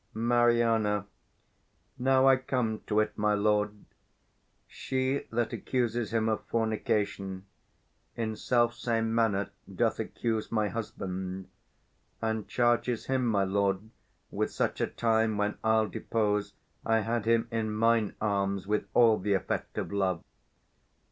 Mari. Now I come to't, my lord: She that accuses him of fornication, In self same manner doth accuse my husband; And charges him, my lord, with such a time 195 When I'll depose I had him in mine arms With all th' effect of love.